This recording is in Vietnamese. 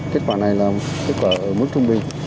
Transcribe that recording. kết quả này là kết quả ở mức trung bình